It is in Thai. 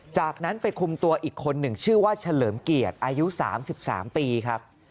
จากนั้นไปคุมตัวอีกคนหนึ่งชื่อว่าเฉลิมเกียรติอายุ๓๓ปีครับ